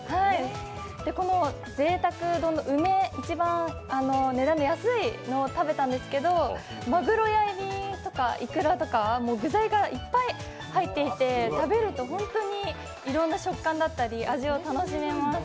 このぜいたく丼の梅、一番値段が安いのを食べたんですけど、まぐろやえびとか、いくらとか具材がいっぱい入っていて、食べるとホントにいろんな食感だったり味を楽しめます。